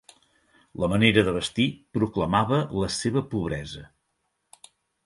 La manera de vestir proclamava la seva pobresa.